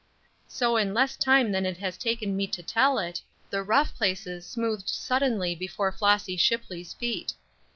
So in less time than it has taken me to tell it, the rough places smoothed suddenly before Flossy Shipley's feet.